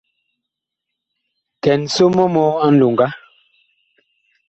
Kɛn so mɔ mɔɔ a nlonga.